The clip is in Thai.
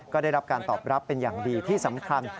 ก็ได้รับการตอบรับเป็นอย่างดีที่สำคัญ